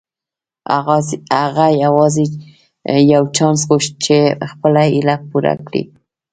هغه يوازې يو چانس غوښت چې خپله هيله پوره کړي.